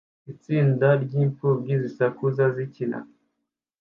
Itsinda ryimfubyi zisakuza zikina